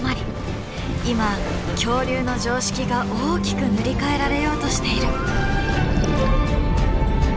今恐竜の常識が大きく塗り替えられようとしている。